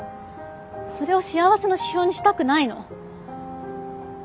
それを幸せの指標にしたくないの！